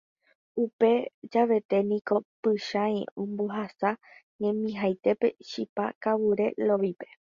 Upe javete niko Pychãi ombohasa ñemihaitépe chipa kavure Lovípe.